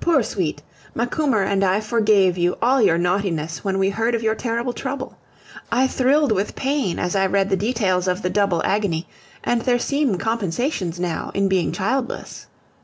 Poor sweet, Macumer and I forgave you all your naughtiness when we heard of your terrible trouble. I thrilled with pain as I read the details of the double agony, and there seem compensations now in being childless.